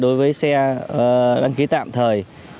đối với xe đăng ký tạm thời